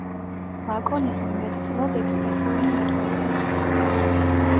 ლაკონიზმი მეტწილად ექსპრესიული მეტყველების თვისებაა.